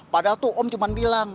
padahal tuh om cuma bilang